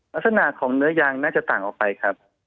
ลักษณะของเนื้อยางน่าจะต่างออกไปครับ